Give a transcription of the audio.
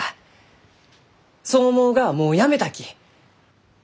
そう思うがはもうやめたき！